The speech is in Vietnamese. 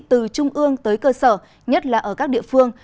từ trung ương tới cơ sở nhất là ở các địa phương